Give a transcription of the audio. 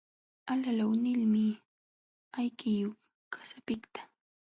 Alalaw nilmi ayqikun qasapiqta.